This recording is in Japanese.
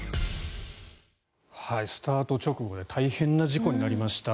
スタート直後で大変な事故になりました。